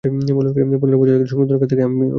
পনেরো বছর আগে সংশোধনাগার থেকে আমি বেরিয়ে এসেছিলাম।